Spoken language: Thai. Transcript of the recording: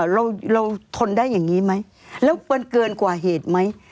เราทนได้อย่างนี้ไหมแล้วมันเกินกว่าเหตุไหม